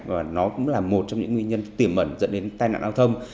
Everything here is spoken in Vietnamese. và nó cũng là một trong những nguyên nhân tiềm mẩn dẫn đến tai nạn lao thông